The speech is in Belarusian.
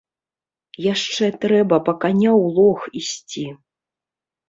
Яшчэ трэба па каня ў лог ісці.